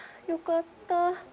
よかった。